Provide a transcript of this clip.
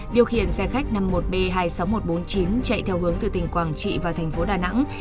điều khiển xe khách năm mươi một b hai mươi sáu nghìn một trăm bốn mươi chín chạy theo hướng từ tỉnh quảng trị vào thành phố đà nẵng